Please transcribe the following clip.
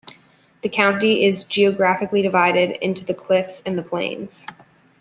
The county is geographically divided into the cliffs and the plains.